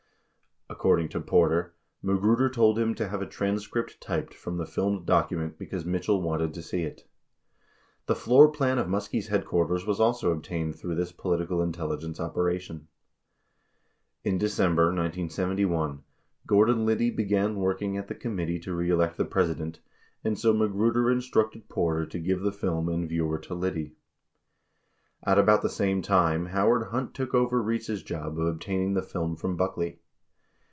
According to Porter, Magruder told him to have a transcript typed from the filmed document because Mitchell wanted to see it. 27 The floor plan of Muskie's headquarters was also obtained through this political intelligence operation. 28 In December 1971, Gordon Liddy began working at the Committee To Re Elect the President, and so Magruder instructed Porter to give the film and viewer to Liddy. 29 At about the same time Howard Hunt took over Rietz's job of obtaining the film from Buckley.